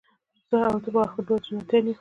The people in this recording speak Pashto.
زه او ته به آخر دواړه جنتیان یو